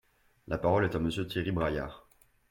La parole est à Monsieur Thierry Braillard.